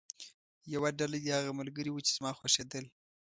یوه ډله دې هغه ملګري وو چې زما خوښېدل.